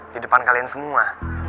di depan kalian semua